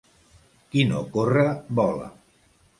Qui no corre, vola.